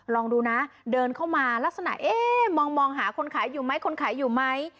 ลองดูนะเดินเข้ามาลักษณะเอ๊ะมองหาคนขายอยู่ไหมคนขายอยู่ไหม